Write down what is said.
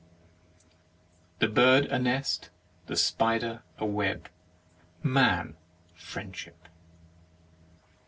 The bird a nest, the spider a web, man friendship.